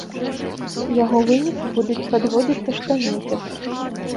Яго вынікі будуць падводзіцца штомесяц.